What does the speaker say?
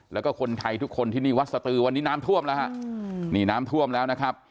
แล้วก็คนไทยทุกคนที่นี่วัดสตือวันนี้น้ำท่วมแล้วฮะนี่น้ำท่วมแล้วนะครับ